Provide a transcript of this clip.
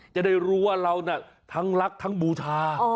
จะได้รู้ว่าเราน่ะทั้งรักทั้งบูชา